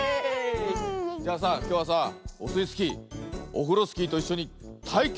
じゃあさきょうはさオスイスキーオフロスキーといっしょにたいけつをしよう！